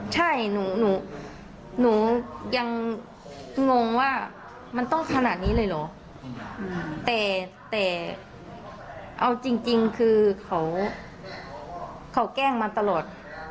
ใช่หนูยังงงว่ามันต้องขนาดนี้เลยเหรอแต่เอาจริงคือเขาแกล้งมาตลอด